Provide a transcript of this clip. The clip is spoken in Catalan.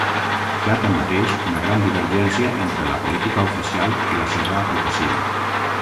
Hi ha, tanmateix, una gran divergència entre la política oficial i la seva aplicació.